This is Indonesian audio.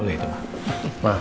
oh gitu mah